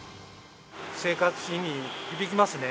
生活に響きますね。